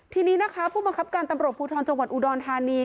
ทีนี้นะคะผู้บังคับการตำรวจภูทรจังหวัดอุดรธานี